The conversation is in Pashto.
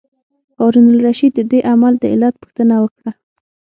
هارون الرشید د دې عمل د علت پوښتنه وکړه.